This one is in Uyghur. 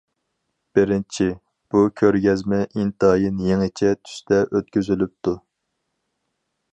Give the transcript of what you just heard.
بىرىنچى، بۇ كۆرگەزمە ئىنتايىن يېڭىچە تۈستە ئۆتكۈزۈلۈپتۇ.